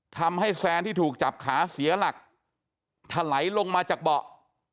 แซนที่ถูกจับขาเสียหลักถลายลงมาจากเบาะ